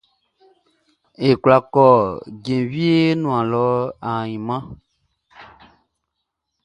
Ye kwla kɔ jenvie nuan ainman?